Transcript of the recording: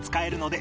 で